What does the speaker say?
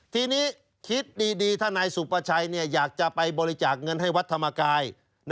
ทีนี้คิดดีถ้านายสุประชัยอยากจะไปบริจาคเงินให้วัดธรรมกาย